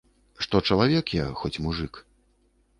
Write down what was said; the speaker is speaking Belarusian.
Што чалавек я, хоць мужык.